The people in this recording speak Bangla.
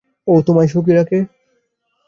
ও তোমায় সুখী রাখে?